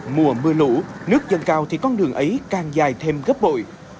mùa mưa lũ nước dâng cao thì con đường ấy càng dài thêm gấp bội